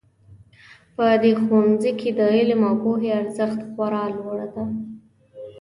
په دې ښوونځي کې د علم او پوهې ارزښت خورا لوړ ده